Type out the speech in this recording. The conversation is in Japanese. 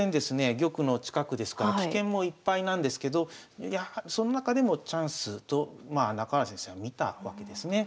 玉の近くですから危険もいっぱいなんですけどその中でもチャンスと中原先生は見たわけですね。